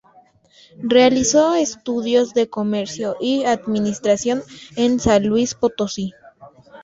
Realizó estudios de Comercio y Administración en San Luis Potosí.